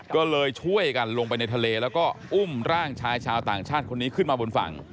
ก็เลยช่วยกันลงไปในทะเลแล้วก็อุ้มร่างชายชาวต่างชาติคนนี้ขึ้นมาบนฝั่ง